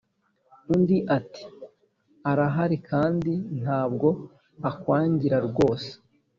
Undi ati"arahari kandi ntabwo akwangira rwose"